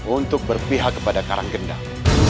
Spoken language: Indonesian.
untuk berpihak kepada karanggendang